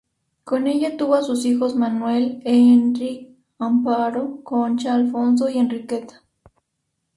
Con ella tuvo a sus hijos Manuel, Enric, Amparo, Concha, Alfonso y Enriqueta.